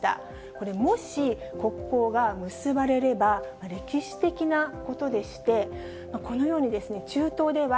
これ、もし国交が結ばれれば、歴史的なことでして、このように、中東では、